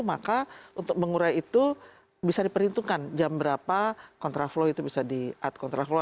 maka untuk mengurai itu bisa diperhitungkan jam berapa kontraflow itu bisa diat kontraflow